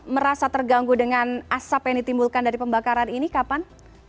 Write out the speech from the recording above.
merasa terganggu dengan asap yang ditimbulkan dari pembakaran ini kapan